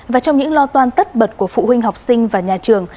và trong những lo toan tất bật của phụ huynh học sinh và nhà trường